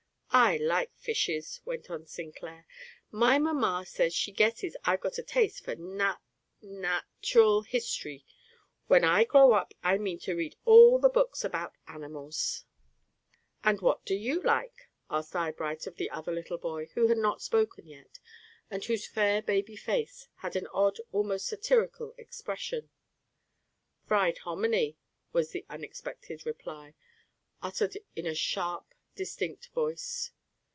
"I like fishes," went on Sinclair. "My mamma says she guesses I've got a taste for nat nat ural history. When I grow up I mean to read all the books about animals." "And what do you like?" asked Eyebright of the other little boy, who had not spoken yet, and whose fair baby face had an odd, almost satirical expression. "Fried hominy," was the unexpected reply, uttered in a sharp, distinct voice.